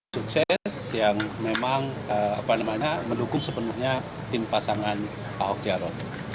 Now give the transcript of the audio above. sukses yang memang mendukung sepenuhnya tim pasangan ahok jarot